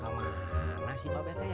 walu walu kemana sih mbak bete ya